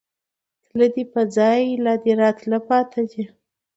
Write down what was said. تله دې په ځائے، لا دې راتله پاتې دي